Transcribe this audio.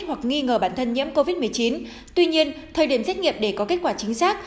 hoặc nghi ngờ bản thân nhiễm covid một mươi chín tuy nhiên thời điểm xét nghiệm để có kết quả chính xác